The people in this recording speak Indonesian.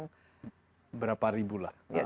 ada berapa ribu lah